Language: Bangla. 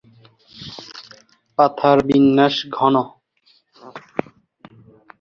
পাতার বিন্যাস ঘন।